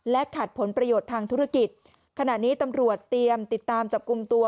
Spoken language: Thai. ขัดผลประโยชน์ทางธุรกิจขณะนี้ตำรวจเตรียมติดตามจับกลุ่มตัว